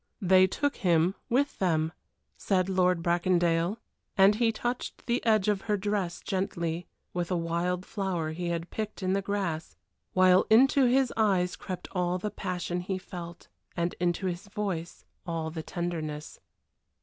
"They took him with them," said Lord Bracondale, and he touched the edge of her dress gently with a wild flower he had picked in the grass, while into his eyes crept all the passion he felt and into his voice all the tenderness.